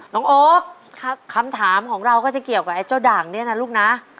น้องโอ๊คคำถามของเราก็จะเกี่ยวกับไอ้เจ้าด่างเนี่ยนะลูกนะ